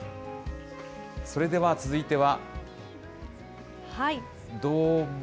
それでは続いては。